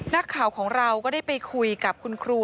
นักข่าวของเราก็ได้ไปคุยกับคุณครู